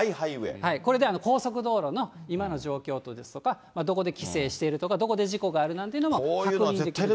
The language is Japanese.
これで高速道路の今の状況ですとか、どこで規制してるとか、どこで事故があるなんていうのも分かる。